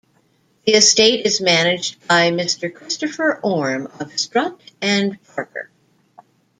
The Estate is managed by Mr Christopher Orme of Strutt and Parker.